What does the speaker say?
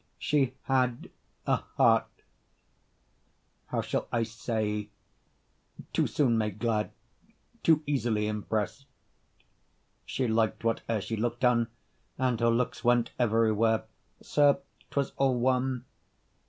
She had A heart how shall I say too soon made glad, Too easily impressed; she liked whate'er She looked on, and her looks went everywhere. Sir, 'twas all one!